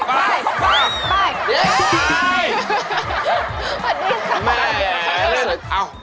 ไป